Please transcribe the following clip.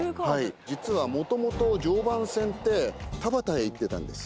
実はもともと常磐線って田端へ行ってたんです。